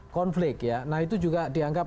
konflik ya nah itu juga dianggap